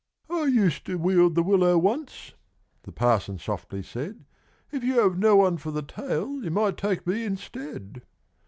"I used to wield the willow once," the Parson softly said; "If you have no one for the tail, you might take me instead."